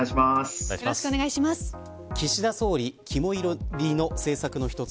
岸田総理、肝いりの政策の一つ。